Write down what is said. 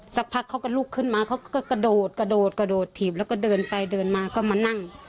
สักพักเขาก็ลุกขึ้นมาเขาก็กระโดดกระโดดกระโดดถีบแล้วก็เดินไปเดินมาก็มานั่ง